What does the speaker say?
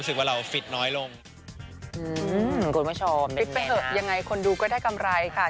เชิญฟิตต่อไปค่ะ